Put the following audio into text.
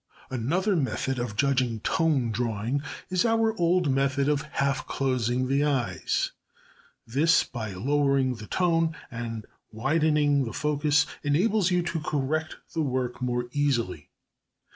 Another method of judging tone drawing is our old method of half closing the eyes. This, by lowering the tone and widening the focus, enables you to correct the work more easily.